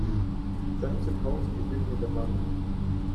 Then suppose you give me the money.